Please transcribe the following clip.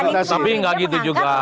tapi enggak gitu juga